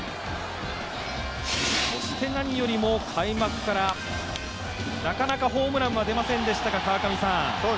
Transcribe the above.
そして何よりも開幕からなかなかホームランは出ませんでしたが。